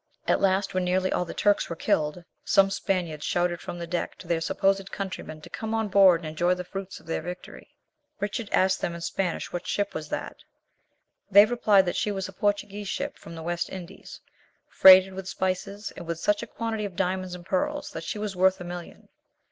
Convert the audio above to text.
At last, when nearly all the Turks were killed, some Spaniards shouted from the deck to their supposed countrymen to come on board and enjoy the fruits of their victory. Richard asked them in Spanish what ship was that? They replied that she was a Portuguese ship from the West Indies, freighted with spices, and with such a quantity of diamonds and pearls that she was worth a million.